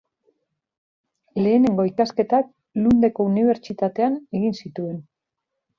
Lehenengo ikasketak Lundeko unibertsitatean egin zituen.